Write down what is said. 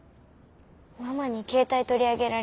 ママに携帯取り上げられて。